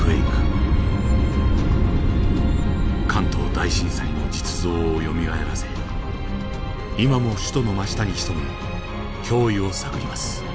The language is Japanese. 関東大震災の実像をよみがえらせ今も首都の真下に潜む脅威を探ります。